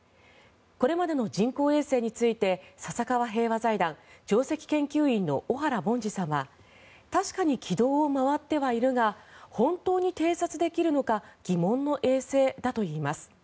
これまでの人工衛星について笹川平和財団上席研究員の小原凡司さんは確かに軌道を回ってはいるが本当に偵察できるのか疑問の衛星だといいます。